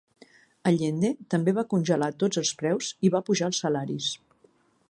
Allende també va congelar tots els preus i va apujar els salaris.